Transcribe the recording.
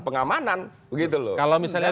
pengamanan begitu loh kalau misalnya